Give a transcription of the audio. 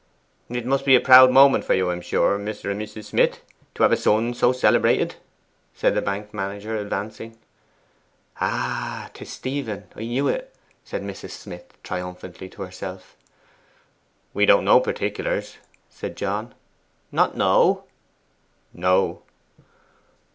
'It must be a proud moment for you, I am sure, Mr. and Mrs. Smith, to have a son so celebrated,' said the bank manager advancing. 'Ah, 'tis Stephen I knew it!' said Mrs. Smith triumphantly to herself. 'We don't know particulars,' said John. 'Not know!' 'No.